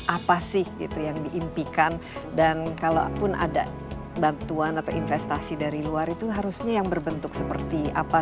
apa sih gitu yang diimpikan dan kalaupun ada bantuan atau investasi dari luar itu harusnya yang berbentuk seperti apa